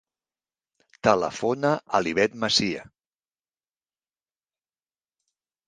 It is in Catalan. Telefona a l'Ivet Macia.